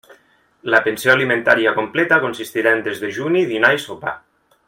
La pensió alimentària completa consistirà en desdejuni, dinar i sopar.